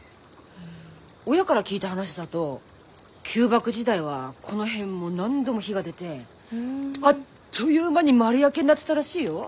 親から聞いた話だと旧幕時代はこの辺も何度も火が出てあっという間に丸焼けになってたらしいよ。